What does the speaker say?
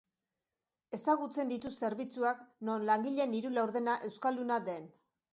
Ezagutzen ditut zerbitzuak non langileen hiru laurdena euskalduna den.